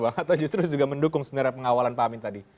atau justru juga mendukung sebenarnya pengawalan pak amin tadi